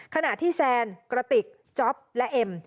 ขณะที่แซนกระติกจ๊อปและเอ็ม